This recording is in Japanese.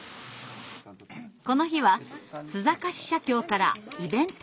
この日は須坂市社協からイベントの相談。